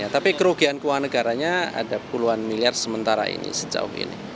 tapi kerugian keuangan negaranya ada puluhan miliar sementara ini sejauh ini